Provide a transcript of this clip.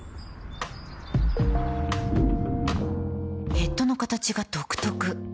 ヘッドの形が独特